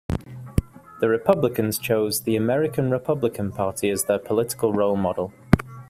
The Republicans chose the American Republican Party as their political role model.